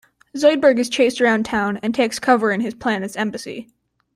Zoidberg is chased around town and takes cover in his planet's embassy.